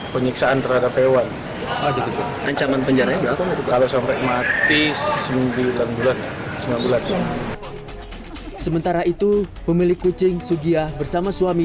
penyiksaan terhadap hewan ancaman penjara mati sementara itu pemilik kucing sugya bersama suami